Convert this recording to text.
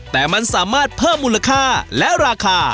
แต่มันสามารถเพิ่มมูลค่าและราคา